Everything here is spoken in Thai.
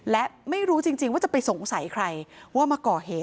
และไม่รู้จริงว่าจะไปสงสัยใครว่ามาก่อเหตุ